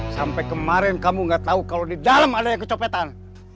sampai kemarin kamu nggak tahu kalau di dalam ada yang kecopetan